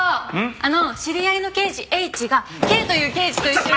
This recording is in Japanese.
あの知り合いの刑事ＨがＫという刑事と一緒に。